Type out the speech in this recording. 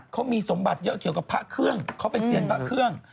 เขามีสมบัติเยอะเกี่ยวกับพระเครื่องเขาเป็นเซียนพระเครื่อง